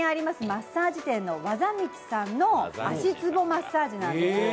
マッサージ店、技道さんの足つぼマッサージなんですよ。